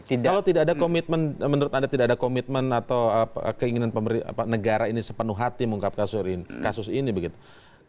kalau tidak ada komitmen menurut anda tidak ada komitmen atau keinginan negara ini sepenuh hati mengungkap kasus ini begitu